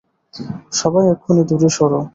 সবাই, এক্ষুণি দূরে সরো!